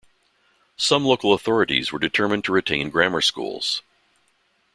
Some local authorities were determined to retain grammar schools.